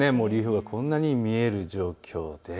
こんなに見える状況です。